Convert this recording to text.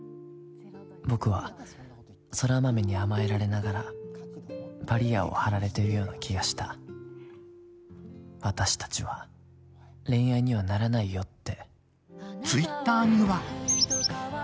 僕は空豆に甘えられながらバリアを張られているような気がした、私たちは恋愛にはならないよって。